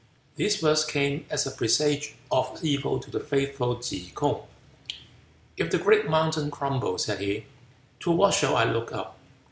These words came as a presage of evil to the faithful Tsze kung. "If the great mountain crumble," said he, "to what shall I look up?